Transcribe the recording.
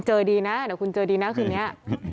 ดีนะเดี๋ยวคุณเจอดีนะคืนนี้